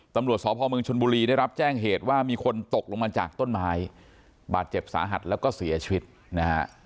ตำรวจสพมชนบุรีได้รับแจ้งเหตุว่ามีคนตกลงมาจากต้นไม้บาดเจ็บสาหัสแล้วก็เสียชีวิตนะฮะ